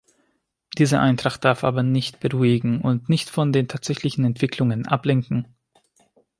Diese Eintracht darf aber nicht beruhigen und nicht von den tatsächlichen Entwicklungen ablenken.